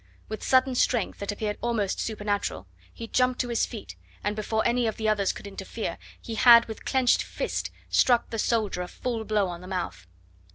With sudden strength, that appeared almost supernatural, he jumped to his feet, and before any of the others could interfere he had with clenched fist struck the soldier a full blow on the mouth.